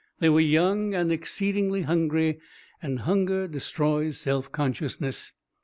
They were young and exceedingly hungry, and hunger destroys self consciousness.